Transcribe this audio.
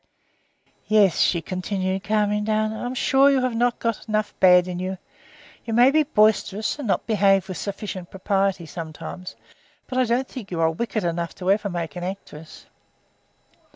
"Yes," she continued, calming down, "I'm sure you have not enough bad in you. You may he boisterous, and not behave with sufficient propriety sometimes, but I don't think you are wicked enough to ever make an actress."